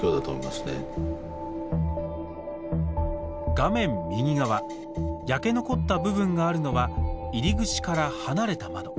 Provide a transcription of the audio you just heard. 画面右側焼け残った部分があるのは入り口から離れた窓。